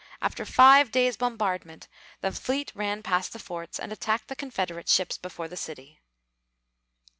After five days' bombardment, the fleet ran past the forts and attacked the Confederate ships before the city.